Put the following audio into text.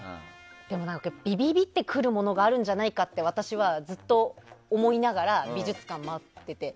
でも、ビビビッてくるものがあるんじゃないかって私はずっと思いながら美術館を回ってて。